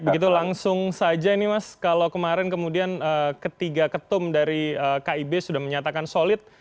begitu langsung saja ini mas kalau kemarin kemudian ketiga ketum dari kib sudah menyatakan solid